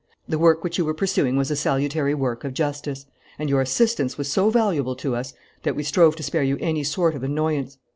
The work which you were pursuing was a salutary work of justice; and your assistance was so valuable to us that we strove to spare you any sort of annoyance.